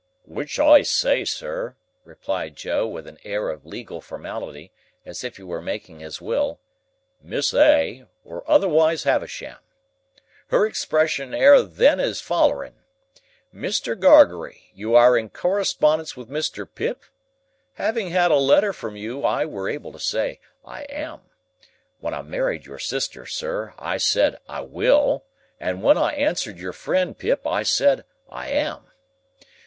"Which I say, sir," replied Joe, with an air of legal formality, as if he were making his will, "Miss A., or otherways Havisham. Her expression air then as follering: 'Mr. Gargery. You air in correspondence with Mr. Pip?' Having had a letter from you, I were able to say 'I am.' (When I married your sister, sir, I said 'I will;' and when I answered your friend, Pip, I said 'I am.